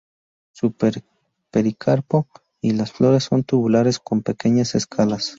Su pericarpo y las flores son tubulares con pequeñas escalas.